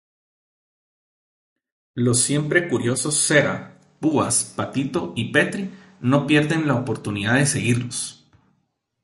Los siempre curiosos Cera, Púas, Patito y Petrie no pierden la oportunidad de seguirlos.